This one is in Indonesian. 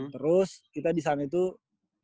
terus kita disana itu dibilang